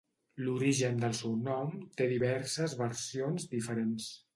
L'origen del seu nom te diverses versions diferents.